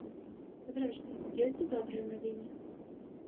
Зрэшты, ёсць і добрыя навіны.